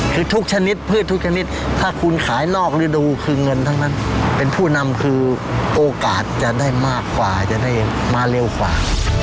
คือทุกชนิดพืชทุกชนิดถ้าคุณขายนอกฤดูคือเงินทั้งนั้นเป็นผู้นำคือโอกาสจะได้มากกว่าจะได้มาเร็วกว่า